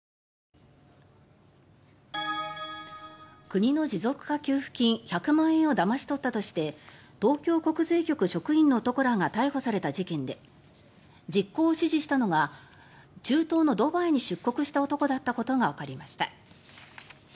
国の持続化給付金１００万円をだまし取ったとして東京国税局職員の男らが逮捕された事件で実行を指示したのが中東のドバイに出国した男だったことがわかりました。